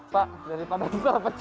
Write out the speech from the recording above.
pak jadi pada saat pecah